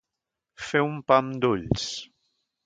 Fer un pam d'ulls.